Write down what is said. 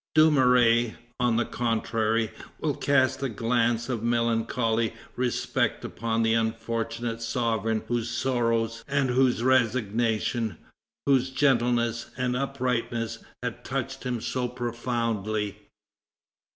Dumouriez, on the contrary, will cast a glance of melancholy respect upon the unfortunate sovereign whose sorrows and whose resignation, whose gentleness and uprightness, had touched him so profoundly.